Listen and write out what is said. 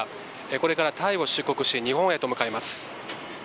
これからタイを出国して、日本へと向かいます。